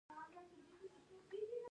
د دې هوا زموږ ساه ده